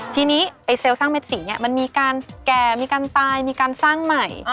ทีนี้ไอ้เซลล์สร้างเม็ดสีเนี่ยมันมีการแก่มีการตายมีการสร้างใหม่